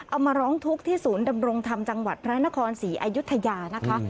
เอามาร้องทุกข์ที่ศูนย์ดำรงธรรมจังหวัดพระนครศรีอายุทยานะคะ